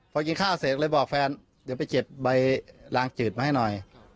พอกินข้าวเสร็จเลยบอกแฟนเดี๋ยวไปเก็บใบลางจืดมาให้หน่อย